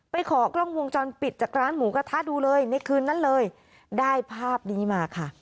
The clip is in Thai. ไปขอกล้องวงจรปิดจากร้านหมูกระทะดูเลยในคืนนั้นเลยได้ภาพนี้มาค่ะ